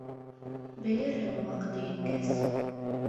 Белерһең, ваҡыты еткәс.